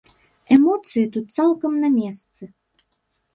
Эмоцыі тут цалкам на месцы.